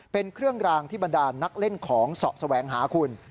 เป็นเครื่องรางที่บรรดาลนักเล่นของเสาะแสวงหาคุณ